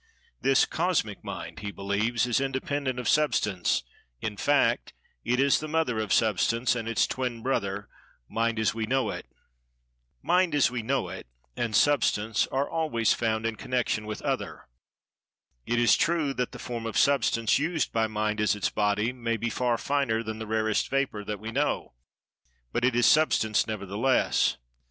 [Pg 201] This Cosmic Mind, he believes, is independent of Substance, in fact it is the Mother of Substance, and its twin brother, Mind as we know it. Mind, as we know it, and Substance are always found in connection with other. It is true that the form of Substance, used by Mind as its body, may be far finer than the rarest vapor that we know, but it is Substance nevertheless.